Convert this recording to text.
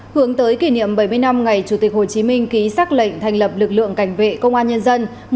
hướng tới kỷ niệm bảy mươi năm ngày chủ tịch hồ chí minh ký xác lệnh thành lập lực lượng cảnh vệ công an nhân dân